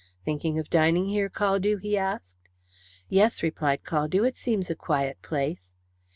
"Thinking of dining here, Caldew?" he asked. "Yes," replied Caldew. "It seems a quiet place."